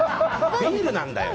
ビールなんだよ！